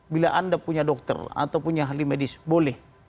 bila anda punya dokter atau punya ahli medis boleh